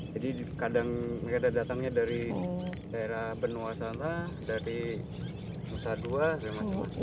jadi kadang kadang datangnya dari daerah benua sana dari nusa dua dan macam lain